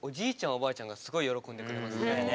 おばあちゃんがすごい喜んでくれますね。